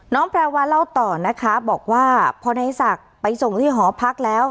แพรวาเล่าต่อนะคะบอกว่าพอในศักดิ์ไปส่งที่หอพักแล้ว